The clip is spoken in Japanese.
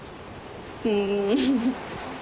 うん。